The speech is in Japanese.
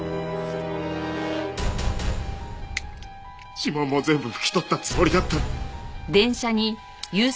指紋も全部拭き取ったつもりだったのに。